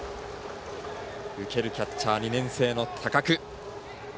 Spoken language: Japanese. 受けるキャッチャー２年生の高久。